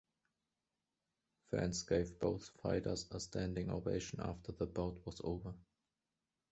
Fans gave both fighters a standing ovation after the bout was over.